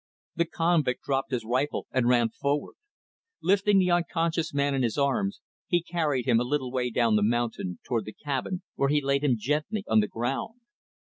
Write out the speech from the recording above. The convict dropped his rifle and ran forward. Lifting the unconscious man in his arms, he carried him a little way down the mountain, toward the cabin; where he laid him gently on the ground.